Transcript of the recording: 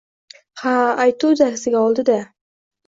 Ha, aytuvdi, aksiga olidida.